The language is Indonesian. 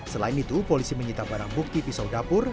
selain itu polisi menyita barang bukti pisau dapur